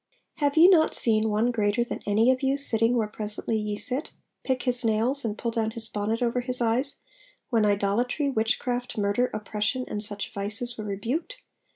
'Have ye not seen one greater than any of you sitting where presently ye sit, pick his nails, and pull down his bonnet over his eyes, when idolatry, witchcraft, murder, oppression, and such vices were rebuked?